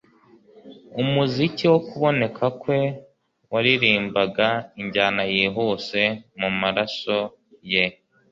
Umuziki wo kuboneka kwe waririmbaga injyana yihuse mumaraso ye